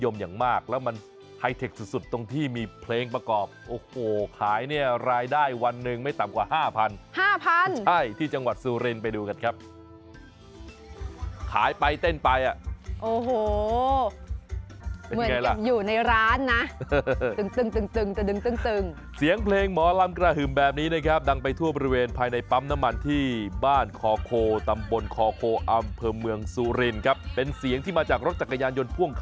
เป็นไฮเทคสุดสุดตรงที่มีเพลงประกอบโอ้โหขายเนี่ยรายได้วันหนึ่งไม่ต่ำกว่าห้าพันห้าพันใช่ที่จังหวัดสุรินไปดูกันครับขายไปเต้นไปอ่ะโอ้โหเป็นไงล่ะมันอยู่ในร้านนะตึงตึงเสียงเพลงหมอลำกระหึ่มแบบนี้นะครับดังไปทั่วบริเวณภายในปั๊มน้ำมันที่บ้านคอโคตำบลคอโคอำเภอเมืองซูรินครับเป็นเสียงที่มาจากรถจักรยานยนต์พ่วงค